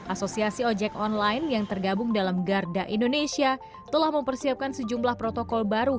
asosiasi ojek online yang tergabung dalam garda indonesia telah mempersiapkan sejumlah protokol baru